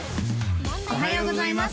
おはようございます